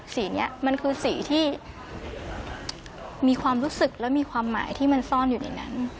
สีนี้มันคือสีที่มีความรู้สึกและมีความหมายที่มันซ่อนอยู่ในนั้น